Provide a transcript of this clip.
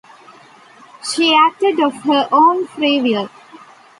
She acted of her own free will.